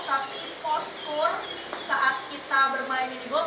tapi postur saat kita bermain mini golf